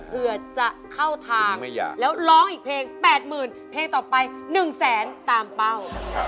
เผื่อจะเข้าทางแล้วร้องอีกเพลง๘๐๐๐เพลงต่อไป๑แสนตามเป้า